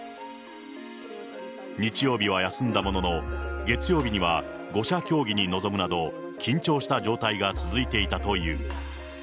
日曜日は休んだものの、月曜日には５者協議に臨むなど、緊張した状態が続いていたという。